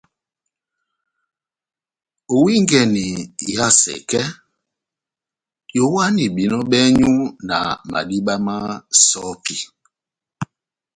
Owingɛni iha sɛkɛ, yowahani behinɔ bɛ́nywu na madiba na sɔ́pi.